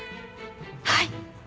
はい！